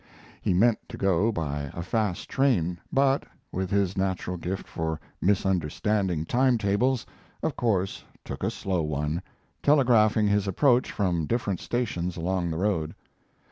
He meant to go by a fast train, but, with his natural gift for misunderstanding time tables, of course took a slow one, telegraphing his approach from different stations along the road.